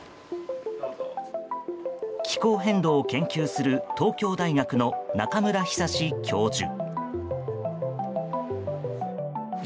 気候変動を研究する東京大学の中村尚教授。